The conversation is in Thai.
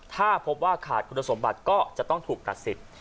ถ้าพบว่าขาดคุณสมบัติก็จะต้องถูกตัดสิทธิ์